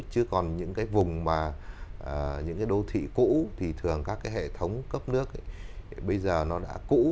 chứ còn những cái vùng mà những cái đô thị cũ thì thường các cái hệ thống cấp nước ấy bây giờ nó đã cũ